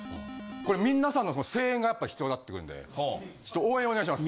これ皆さんの声援がやっぱ必要になってくるんでちょっと応援お願いします。